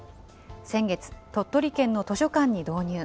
先月、鳥取県の図書館に導入。